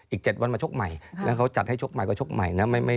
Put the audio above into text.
อีก๗วันมาชกใหม่แล้วเขาจัดให้ชกใหม่ก็ชกใหม่นะ